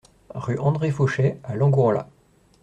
Rue André Fauchet à Langourla